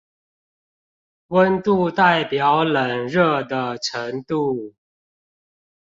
溫度代表冷熱的程度